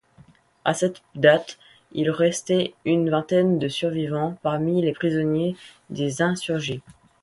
À cette date, il restait une vingtaine de survivants parmi les prisonniers des insurgés.